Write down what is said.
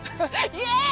イエイ！